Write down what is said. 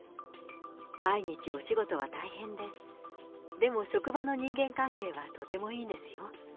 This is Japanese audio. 毎日お仕事は大変で、でも職場の人間関係はとてもいいんですよ。